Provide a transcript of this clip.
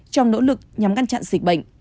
trong nỗ lực nhắm ngăn chặn dịch bệnh